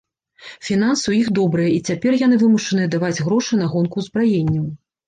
Фінансы ў іх добрыя, і цяпер яны вымушаныя выдаваць грошы на гонку ўзбраенняў.